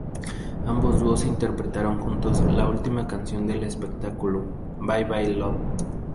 Ambos dúos interpretaron juntos la última canción del espectáculo, "Bye Bye Love".